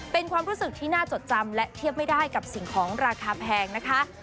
เป็นความรู้สึกที่น่าจดจำและเทียบไม่ได้กับสิ่งของราคาแพงนะคะ